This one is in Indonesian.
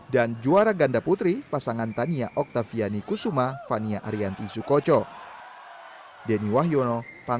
dan juara ganda putri pasangan tania oktaviani kusuma fania arianti sukocho